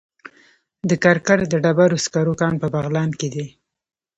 د کرکر د ډبرو سکرو کان په بغلان کې دی